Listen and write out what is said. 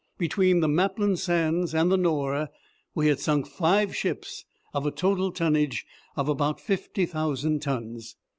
Between the Maplin Sands and the Nore we had sunk five ships of a total tonnage of about fifty thousand tons.